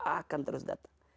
akan terus datang